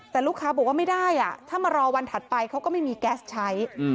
แต่ลูกค้าบอกว่าไม่ได้ถ้ามารอวันถัดไปเขาก็ไม่มีแก๊สใช้